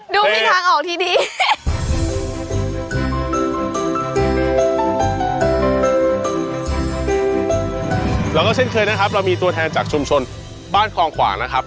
ซูชิพวกนี้ไงใช่มะอ่าได้ค่ะของคุณค่ะเชท